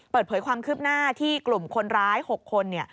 เปิดเผยความคืบหน้าที่กลุ่มคนร้าย๖คน